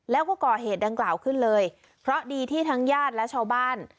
แล้วก็ก่อเหตุดังกล่าวขึ้นเลยเพราะดีที่ทั้งญาติและชาวบ้าน